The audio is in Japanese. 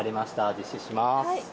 実施します。